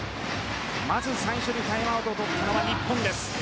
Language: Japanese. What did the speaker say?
まず最初のタイムアウトをとったのは日本。